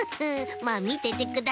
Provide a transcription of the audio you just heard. まあみててください！